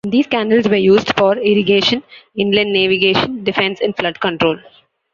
These canals were used for irrigation, inland navigation, defense, and flood control.